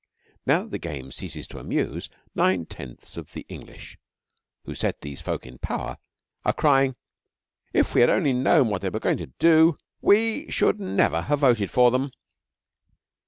Now that the game ceases to amuse, nine tenths of the English who set these folk in power are crying, 'If we had only known what they were going to do we should never have voted for them!'